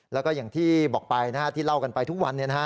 แล้วก็อย่างที่บอกไปที่เล่ากันไปทุกวัน